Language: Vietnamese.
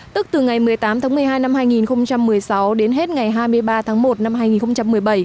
tức từ ngày một mươi tám tháng một mươi hai năm hai nghìn một mươi sáu đến hết ngày hai mươi ba tháng một năm hai nghìn một mươi bảy